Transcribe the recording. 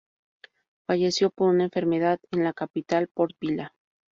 Falleció por una enfermedad en la capital, Port Vila.